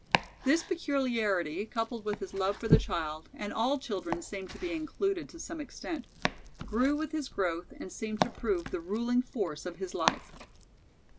This peculiarity, coupled with his love for the child and all children seemed to be included to some extent grew with his growth and seemed to prove the ruling force of his life.